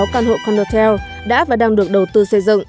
một mươi hai năm mươi sáu căn hộ conotel đã và đang được đầu tư xây dựng